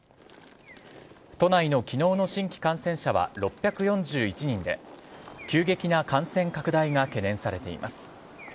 都内の昨日の新規感染者は６４１人で急激な感染拡大が懸念されています。